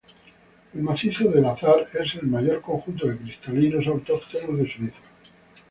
El macizo del Aar es el mayor conjunto de cristalinos autóctonos de Suiza.